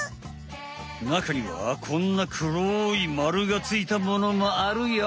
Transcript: なかにはこんなくろいまるがついたものもあるよ。